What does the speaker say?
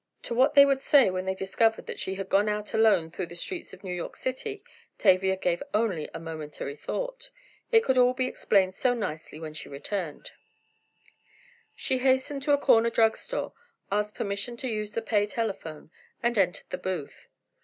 To what they would say when they discovered that she had gone out alone through the streets of New York city, Tavia gave only a momentary thought. It could all be explained so nicely when she returned. She hastened to a corner drug store, asked permission to use the pay telephone, and entered the booth.